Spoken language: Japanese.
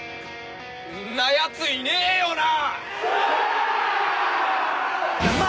んなやついねえよな！？